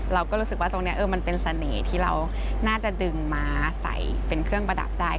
เราก็รู้สึกว่าตรงนี้มันเป็นเสน่ห์ที่เราน่าจะดึงม้าใส่เป็นเครื่องประดับได้